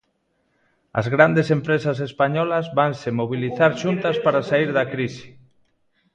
As grandes empresas españolas vanse mobilizar xuntas para saír da crise.